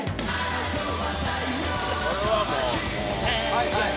「はいはい」